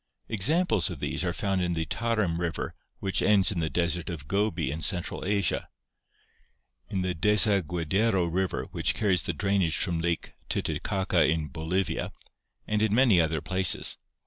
Examples of these are found in the Tarim River which ends in the desert of Gobi in central Asia, in the Desaguedero River which carries the drainage from Lake Titicaca in Bolivia, and in many other places.